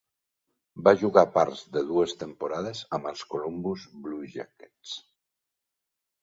Va jugar parts de dues temporades amb els Columbus Blue Jackets.